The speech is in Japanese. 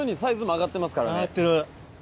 上がってる。